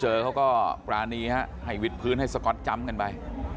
เขาก็ปรานีฮะให้วิทพื้นให้สก๊อตจำกันไป